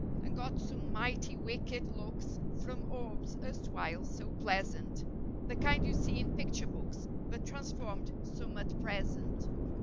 And got some mighty wicked looks from orbs erst¬ while so pleasant (The kind you see in picture books but transformed some at present).